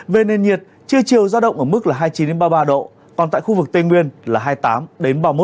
về nền nhiệt trưa chiều giao động ở mức là hai mươi chín ba mươi ba độ còn tại khu vực tây nguyên là hai mươi tám ba mươi một độ